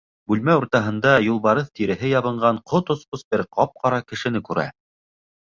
Бүлмә уртаһында юлбарыҫ тиреһе ябынған ҡот осҡос бер ҡап-ҡара кешене күрә.